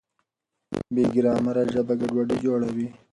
بې ګرامره ژبه ګډوډي جوړوي.